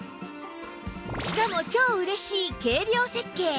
しかも超嬉しい軽量設計！